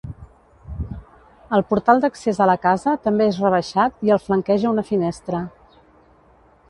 El portal d'accés a la casa també és rebaixat i el flanqueja una finestra.